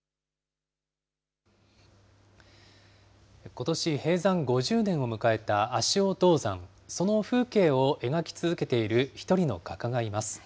ことし、閉山５０年を迎えた足尾銅山、その風景を描き続けている一人の画家がいます。